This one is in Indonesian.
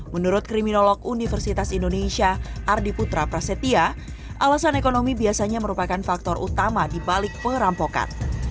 menurut kriminolog universitas indonesia ardi putra prasetya alasan ekonomi biasanya merupakan faktor utama di balik perampokan